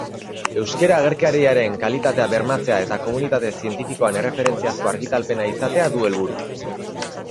Euskera agerkariaren kalitatea bermatzea eta komunitate zientifikoan erreferentziazko argitalpena izatea du helburu.